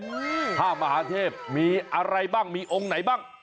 ผ้ามหาเทพมีอะไรบ้างมีองค์ไหนบ้าง